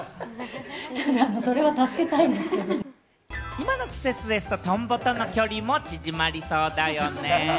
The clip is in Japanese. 今の季節ですと、トンボとの距離も縮まりそうだよね。